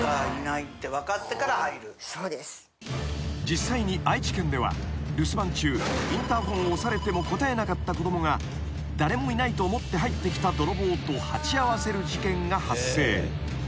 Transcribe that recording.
［実際に愛知県では留守番中インターホンを押されても応えなかった子供が誰もいないと思って入ってきた泥棒と鉢合わせる事件が発生］